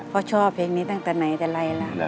เพราะชอบเพลงนี้ตั้งแต่ไหนแต่ไรแล้ว